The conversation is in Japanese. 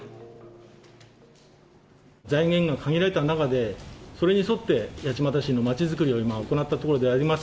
財源が限られた中で、それに沿って八街市のまちづくりを行ったところであります